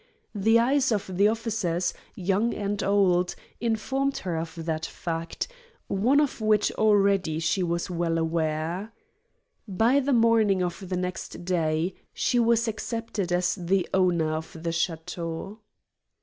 The eyes of the officers, young and old, informed her of that fact, one of which already she was well aware. By the morning of the next day she was accepted as the owner of the château.